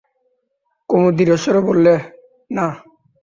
কুমু দৃঢ়স্বরে বললে, না।